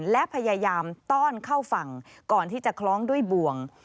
และพยายามต้อนเข้าฝั่งก่อนที่จะคล้องด้วยบ่วง